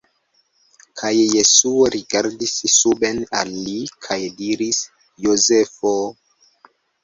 Kaj Jesuo rigardis suben al li, kaj diris: "Jozefo...